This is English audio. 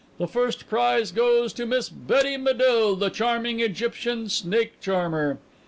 The first prize goes to Miss Betty Medill, the charming Egyptian snake charmer."